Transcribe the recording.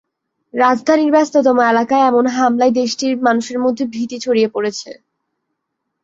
রাজধানীর ব্যস্ততম এলাকায় এমন হামলায় দেশটির মানুষের মধ্যে ভীতি ছড়িয়ে পড়েছে।